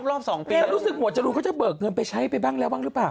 แล้วรู้สึกเหมาะจะลูกว่าเบิกเงินไปใช้ไปบ้างแล้วหรือเปล่า